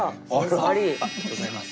ありがとうございます。